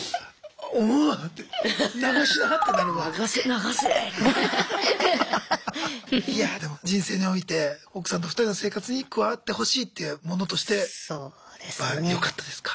おおいやでも人生において奥さんと２人の生活に加わってほしいというものとしてやっぱよかったですか？